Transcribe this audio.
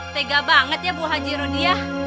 tega banget ya bu haji rudyah